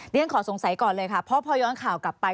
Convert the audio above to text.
ฉันขอสงสัยก่อนเลยค่ะเพราะพอย้อนข่าวกลับไป